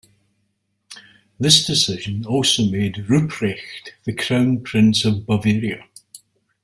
This decision also made Rupprecht the crown prince of Bavaria.